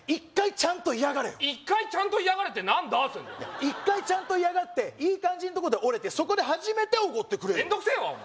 １回ちゃんと嫌がれよ１回ちゃんと嫌がれって何だって１回ちゃんと嫌がっていい感じのとこで折れてそこで初めておごってくれよ面倒くせえわ！